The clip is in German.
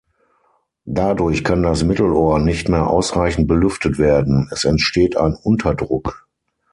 Dadurch kann das Mittelohr nicht mehr ausreichend belüftet werden, es entsteht ein Unterdruck.